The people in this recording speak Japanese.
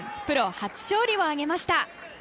プロ初勝利を挙げました。